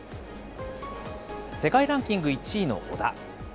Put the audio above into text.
世界ランキング１位の小田。